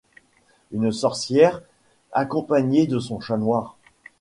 Une sorcière accompagnée de son chat noir